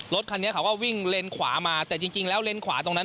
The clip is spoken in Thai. รถคันนี้เขาก็วิ่งเลนขวามาแต่จริงแล้วเลนขวาตรงนั้น